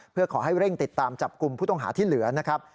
เพื่อขอให้เร่งติดตามจับกลุ่มผู้ต้องหาที่เหลือนะครับ